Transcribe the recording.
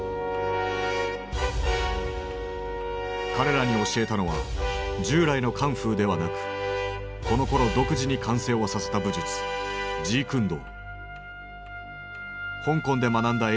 彼らに教えたのは従来のカンフーではなくこのころ独自に完成をさせた武術香港で学んだ詠